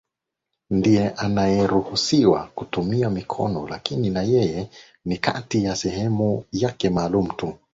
ndiye anayeruhusiwa kutumia mikono lakini na yeye ni katika sehemu yake maalumu tu